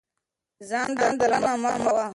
ځان درملنه مه کوئ.